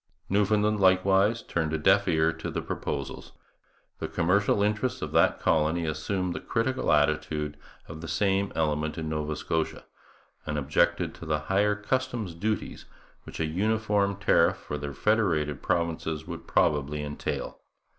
Newfoundland, likewise, turned a deaf ear to the proposals. The commercial interests of that colony assumed the critical attitude of the same element in Nova Scotia, and objected to the higher customs duties which a uniform tariff for the federated provinces would probably entail.